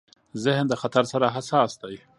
ذهن د خطر سره حساس دی.